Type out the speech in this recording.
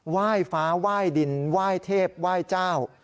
ไหว้ฟ้าไหว้ดินไหว้เทพไหว้เจ้า